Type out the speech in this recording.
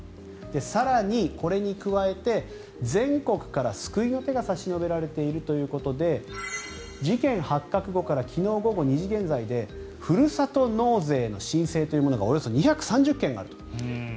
更に、これに加えて全国から救いの手が差し伸べられているということで事件発覚後から昨日午後２時現在でふるさと納税の申請というものがおよそ２３０件あると。